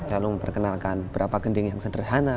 lalu memperkenalkan berapa kending yang sederhana